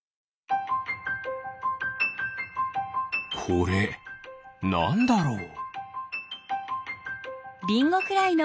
これなんだろう？